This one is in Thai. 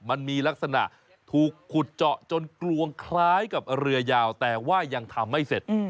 มันมีลักษณะถูกขุดเจาะจนกลวงคล้ายกับเรือยาวแต่ว่ายังทำไม่เสร็จ